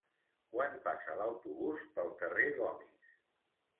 Quan passa l'autobús pel carrer Gomis?